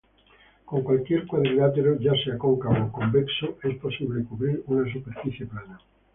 Con cualquier cuadrilátero, ya sea cóncavo o convexo, es posible cubrir una superficie plana.